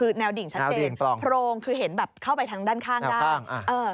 เนียวดิ่งชัดเจนปรงคือเห็นเข้าไปทางด้านข้างด้านเออ